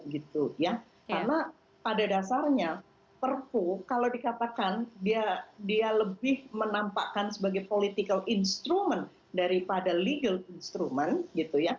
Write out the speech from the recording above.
karena pada dasarnya perpu kalau dikatakan dia lebih menampakkan sebagai political instrument daripada legal instrument